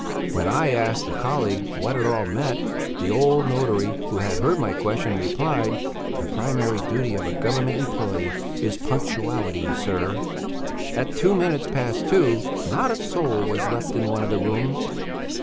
When I asked a colleague what it all meant, the old notary, who had heard my question, replied: 'The primary duty of a Government employé is punctuality, sir!' At two minutes past two not a soul was left in one of the rooms.